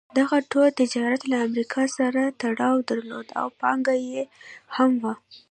دغه ټول تجارت له امریکا سره تړاو درلود او پانګه یې هم وه.